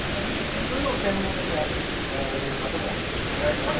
そういうのを専門でやられている方もいます。